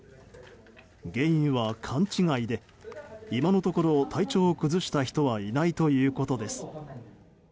原因は勘違いで今のところ、体調を崩した人はいないということです。